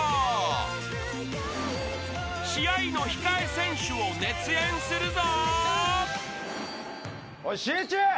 ［試合の控え選手を熱演するぞ］